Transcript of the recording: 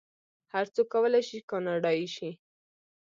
هر څوک کولی شي کاناډایی شي.